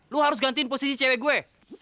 lu harus gantiin posisi cewek gue